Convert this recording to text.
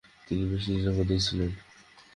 তিনি বেশ নিরাপদেই ছিলেন।